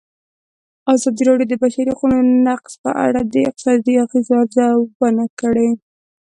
ازادي راډیو د د بشري حقونو نقض په اړه د اقتصادي اغېزو ارزونه کړې.